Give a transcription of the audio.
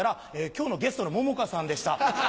今日のゲストの桃花さんでした。